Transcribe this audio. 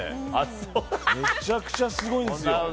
めちゃくちゃすごいんですよ。